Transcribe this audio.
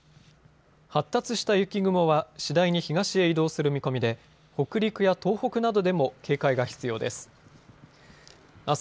発達した雪雲は次第に東へ移動する見込みで北陸や東北などでも警戒が必要です。